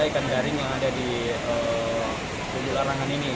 ikan garing yang ada di bulu larangan ini